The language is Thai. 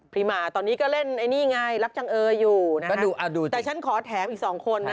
หมาตอนนี้ก็เล่นไอ้นี่ไงรับจังเอออยู่นะแต่ฉันขอแถมอีกสองคนนะ